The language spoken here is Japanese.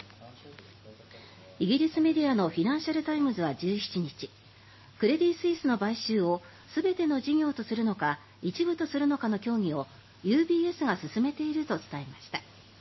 イギリスメディアのフィナンシャル・タイムズは１７日クレディ・スイスの買収を全ての事業とするのか一部とするのかの協議をＵＢＳが進めていると伝えました。